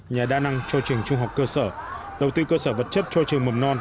nhà đa năng cho trường trung học cơ sở đầu tư cơ sở vật chất cho trường mầm non